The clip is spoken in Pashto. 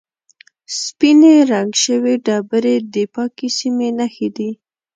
سپینې رنګ شوې ډبرې د پاکې سیمې نښې دي.